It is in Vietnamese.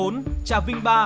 trà vinh ba